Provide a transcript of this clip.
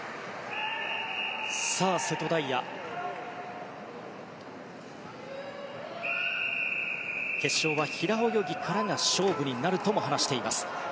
瀬戸大也、決勝は平泳ぎからが勝負になるとも話しています。